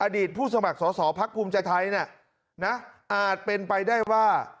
อดีตผู้สมัครสอสอพักภูมิใจไทยน่ะน่ะอาจเป็นไปได้ว่า